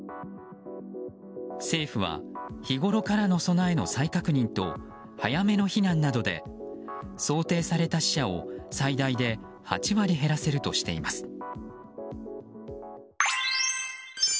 政府は日ごろからの備えの再確認と早めの避難などで想定された死者を最大で８割減らせるとしています。